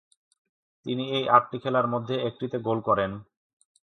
তিনি এই আটটি খেলার মধ্যে একটিতে গোল করেন।